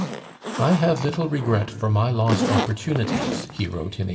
"I have little regret for my lost opportunities," he wrote in 1835.